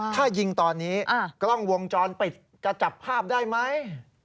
ถ้ายิงตอนนี้กล้องวงจรปิดจะจับภาพได้ไหม